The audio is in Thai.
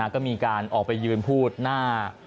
ก็มีการออกไปยืนพูดหน้า